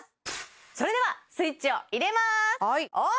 それではスイッチを入れますオン！